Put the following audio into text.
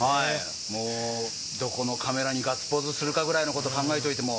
どこのカメラにガッツポーズするかくらいのことを考えておいても。